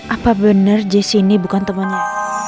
apa bener jess ini bukan temennya